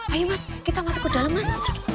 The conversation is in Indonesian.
ayo mas kita masuk ke dalam mas